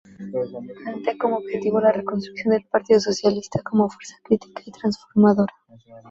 Plantea como objetivo la reconstrucción del Partido Socialista como fuerza crítica y transformadora.